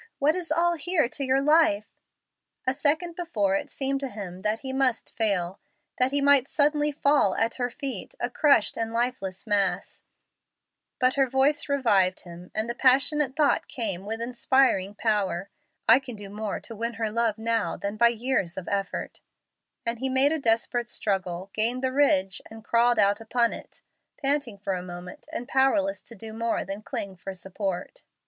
What is all here to your life?" A second before it seemed to him that he must fail, that he might suddenly fall at her feet a crushed and lifeless mass; but her voice revived him, and the passionate thought came with inspiring power, "I can do more to win her love now than by years of effort"; and he made a desperate struggle, gained the ridge, and crawled out upon it, panting for a moment, and powerless to do more than cling for support.